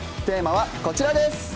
テーマはこちらです。